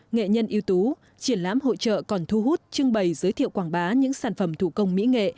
nghệ nhân yếu tố triển lãm hội trợ còn thu hút trưng bày giới thiệu quảng bá những sản phẩm thủ công mỹ nghệ